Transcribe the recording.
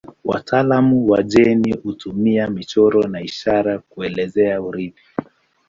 Wataalamu wa jeni hutumia michoro na ishara kueleza urithi.